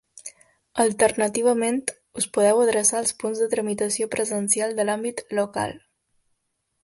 Alternativament, us podeu adreçar als punts de tramitació presencial de l'àmbit local.